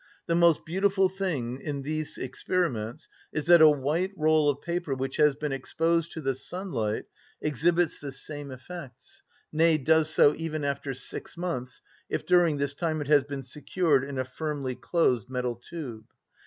The most beautiful thing in these experiments is, that a white roll of paper which has been exposed to the sunlight exhibits the same effects, nay, does so even after six months, if during this time it has been secured in a firmly closed metal tube.